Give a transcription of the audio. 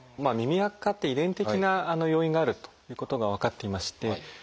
耳あかって遺伝的な要因があるということが分かっていまして。